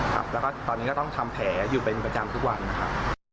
ครับแล้วก็ตอนนี้ก็ต้องทำแผลอยู่เป็นประจำทุกวันนะครับ